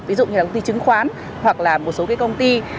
ví dụ như là công ty chứng khoán hoặc là một số cái công ty